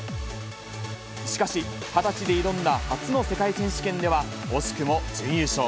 しかし、２０歳で挑んだ初の世界選手権では、惜しくも準優勝。